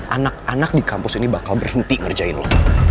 anak anak di kampus ini bakal berhenti ngerjain dulu